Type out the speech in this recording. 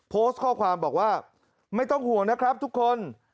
โพสต์ข้อความบอกว่าไม่ต้องห่วงนะครับทุกคน